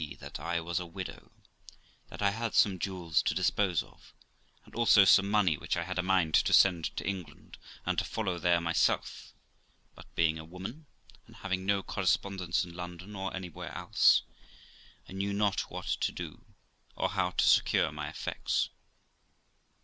that I was a widow, that I had some jewels to dispose of, and also some money which I had a mind to send to England, and to follow there myself; but being a woman, and having no correspondence in London, or anywhere else, I knew not what to do, or how to secure my effects.